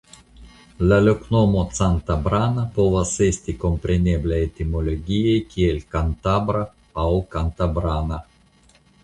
La loknomo "Cantabrana" povas esti komprenebla etimologie kiel "Kantabra" aŭ "Kantabrana".